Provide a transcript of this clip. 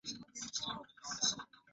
Maji hayo na damu,